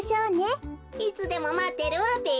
いつでもまってるわべ。